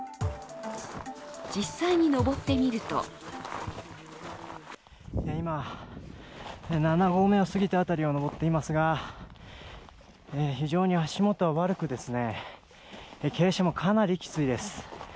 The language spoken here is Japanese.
実際に登ってみると今、７合目を過ぎた辺りを登っていますが非常に足元は悪く、傾斜もかなりきついです。